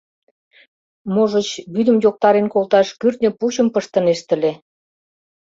Можыч, вӱдым йоктарен колташ кӱртньӧ пучым пыштынешт ыле.